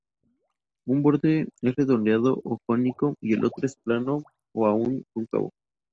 Un borde es redondeado o cónico y el otro es plano o aún cóncavo.